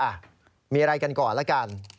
อ่ะมีอะไรกันก่อนละกัน